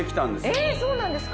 ええそうなんですか。